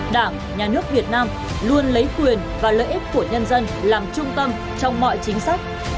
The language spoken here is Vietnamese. đảng nhà nước việt nam luôn lấy quyền và lợi ích của nhân dân làm trung tâm trong mọi chính sách